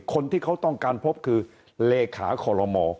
คนที่เขาต้องการพบคือเลขาคอลโลม